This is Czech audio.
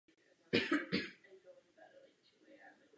Seriál byl po první sezóně ukončen.